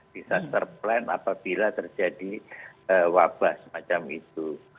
bisa ter plan apabila terjadi wabah semacam itu